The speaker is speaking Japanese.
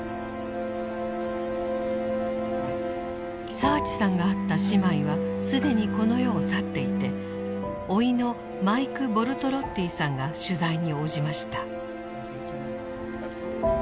澤地さんが会った姉妹は既にこの世を去っていて甥のマイク・ボルトロッティさんが取材に応じました。